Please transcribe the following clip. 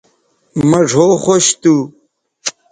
مہ ڙھؤ خوش تھو